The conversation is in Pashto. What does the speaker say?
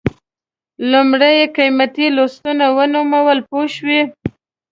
لومړی یې قیمتي لوستونه ونومول پوه شوې!.